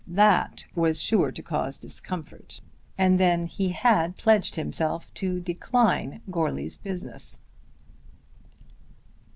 That was sure to cause discomfort; and then he had pledged himself to decline Goarly's business.